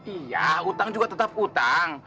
iya hutang juga tetap utang